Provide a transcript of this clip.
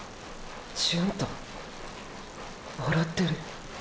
純太笑ってる？